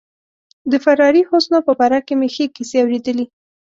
د فراري حسنو په باره کې مې ښې کیسې اوریدلي.